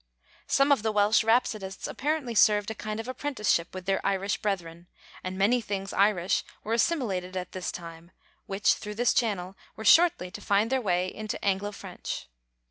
Some of the Welsh rhapsodists apparently served a kind of apprenticeship with their Irish brethren, and many things Irish were assimilated at this time which, through this channel, were shortly to find their way into Anglo French.